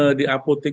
bahkan di apoteknya